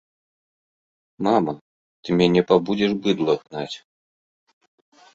Мама, ты мяне пабудзіш быдла гнаць!